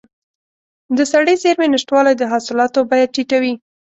د سړې زېرمې نشتوالی د حاصلاتو بیه ټیټوي.